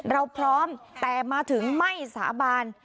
เราพร้อมแต่มาถึงไม่สาบาน